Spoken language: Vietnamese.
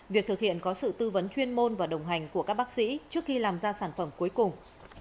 việc thực hiện có sự tư vấn chuyên môn và đồng hành của các bác sĩ trước khi làm ra sản phẩm cuối cùng